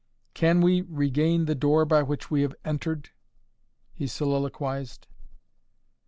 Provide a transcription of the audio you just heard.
"Can we regain the door by which we have entered?" he soliloquized.